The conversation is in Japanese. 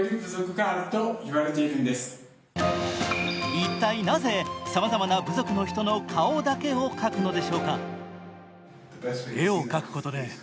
一体なぜさまざまな部族の人の顔だけを描くのでしょうか？